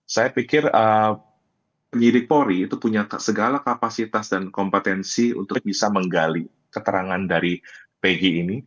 saya pikir penyidik polri itu punya segala kapasitas dan kompetensi untuk bisa menggali keterangan dari pg ini